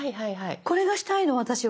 これがしたいの私は。